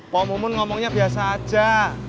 pak mumun ngomongnya biasa aja